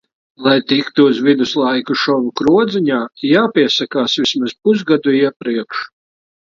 Lai tiktu uz viduslaiku šovu krodziņā, jāpiesakās vismaz pusgadu iepriekš.